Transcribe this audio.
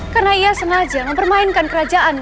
karena ia sengaja mempermainkan kerajaan